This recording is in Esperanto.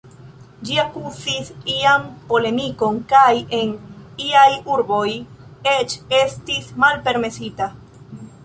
Ĝi kaŭzis ian polemikon kaj en iaj urbo eĉ estis malpermesita.